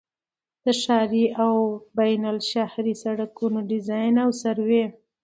د ښاري او بینالشهري سړکونو ډيزاين او سروې